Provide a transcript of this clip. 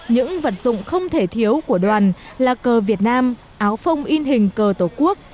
những vật dụng không thể thiếu của đoàn là cờ việt nam áo phông in hình cờ tổ quốc